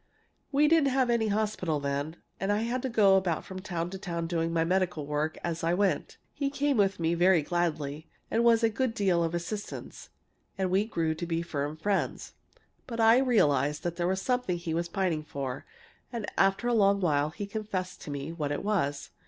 We didn't have any hospital then, and I had to go about from town to town doing my medical work as I went. He came with me very gladly, and was of a good deal of assistance, and we grew to be firm friends. But I realized there was something he was pining for, and after a long while he confessed to me what it was.